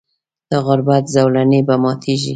د غربت زولنې به ماتیږي.